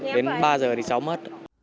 đến ba giờ thì cháu mất